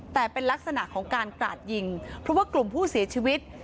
แต่เป็นลักษณะของการกราดยิงเพราะว่ากลุ่มผู้เสียชีวิต